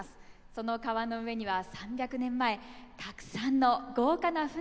その川の上には３００年前たくさんの豪華な船が浮かんでいました。